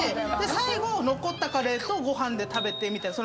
最後残ったカレーとご飯で食べてみたいな。